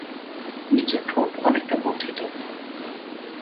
নিচের ঠোঁট অনেকটা বর্ধিত।